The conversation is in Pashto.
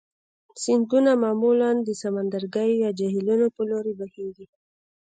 سیندونه معمولا د سمندرګیو یا جهیلونو په لوري بهیږي.